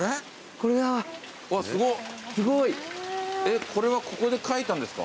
すごい！これはここで描いたんですか？